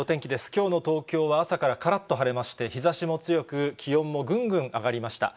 きょうの東京は朝からからっと晴れまして、日ざしも強く、気温もぐんぐん上がりました。